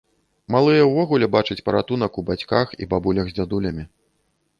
Малыя ўвогуле бачаць паратунак у бацьках і бабулях з дзядулямі.